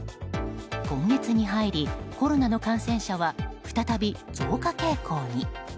今月に入りコロナの感染者は再び増加傾向に。